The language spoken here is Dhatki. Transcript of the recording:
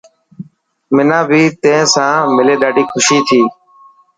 منان بي تين ساملي ڏاڍي خوشي ٿي.